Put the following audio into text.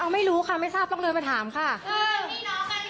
อ่ะอ้าวไม่รู้ค่ะไม่ทราบต้องเดินไปถามค่ะเออนี่น้อง